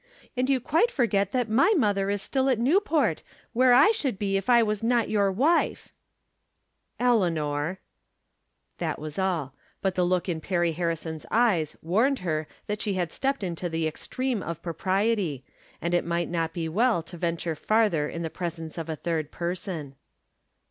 And you quite forget that my mother is still at Newport, where I should be if I was not your wife." " Eleanor !" That Avas all. But the look in Perry Harri son's eyes warned her that she had stepped to the extreme of propriety, and it might not be well to venture farther in the presence of a third person.